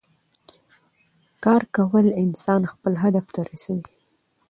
کار کول انسان خپل هدف ته رسوي